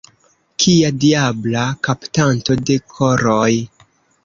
Kia diabla kaptanto de koroj!